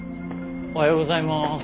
おはようございます。